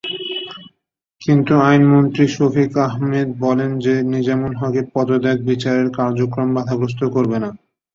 কিন্তু আইনমন্ত্রী শফিক আহমেদ বলেন যে, নিজামুল হকের পদত্যাগ বিচারের কার্যক্রম বাঁধাগ্রস্ত করবে না।